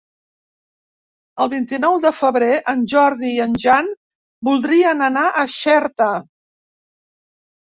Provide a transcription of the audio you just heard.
El vint-i-nou de febrer en Jordi i en Jan voldrien anar a Xerta.